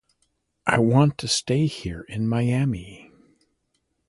I want to stay here in Miami.